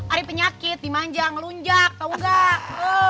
ada penyakit dimanja ngelunjak tau gak